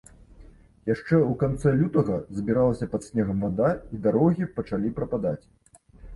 Яшчэ ў канцы лютага збіралася пад снегам вада, і дарогі пачалі прападаць.